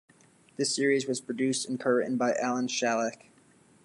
This series was produced and co-written by Alan Shalleck.